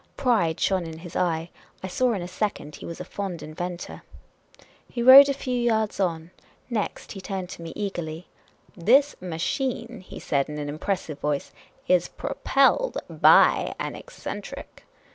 Pride shone in his eye. I saw in a second he was a fond inventor. He rode a few yards on. Next he turned to me eagerly. " This ma chine," he said, in an impressive voice, " is pro pelled dy an eccentric."